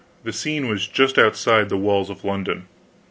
The scene was just outside the walls of London.